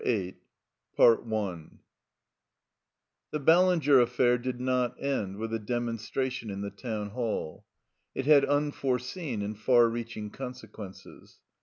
VIII 1 The Ballinger affair did not end with the demonstration in the Town Hall. It had unforeseen and far reaching consequences.